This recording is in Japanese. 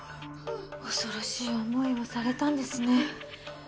恐ろしい思いをされたんですね。